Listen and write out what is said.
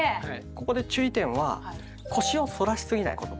ここで注意点は腰を反らしすぎないこと。